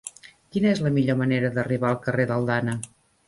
Quina és la millor manera d'arribar al carrer d'Aldana?